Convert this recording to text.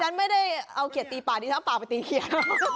ฉันไม่ได้เอาเขียดตีปากดิฉันเอาปากไปตีเขียด